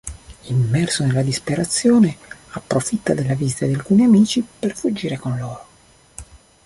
Immerso nella disperazione, approfitta della visita di alcuni amici per fuggire con loro.